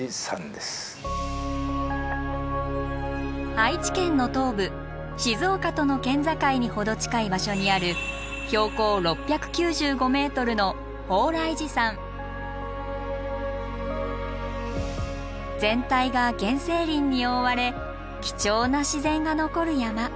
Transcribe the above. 愛知県の東部静岡との県境に程近い場所にある標高６９５ｍの全体が原生林に覆われ貴重な自然が残る山。